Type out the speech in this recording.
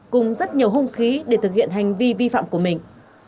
cùng rất nhiều hung khí để thực hiện hành vi vi phạm của mình